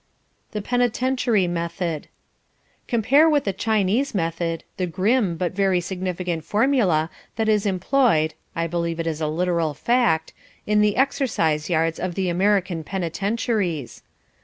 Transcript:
The Penetentiary Method Compare with the Chinese method the grim, but very significant formula that is employed (I believe it is a literal fact) in the exercise yards of the American penitentiaries.